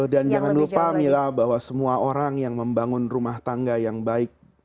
dan jangan lupa mila bahwa semua orang yang membangun rumah tangga yang baik